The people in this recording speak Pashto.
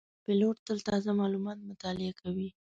پیلوټ تل تازه معلومات مطالعه کوي.